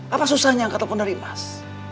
apa susahnya angka telepon dari mas